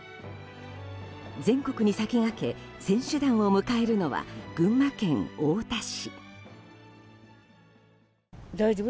全国に先駆け選手団を迎えるのは群馬県太田市。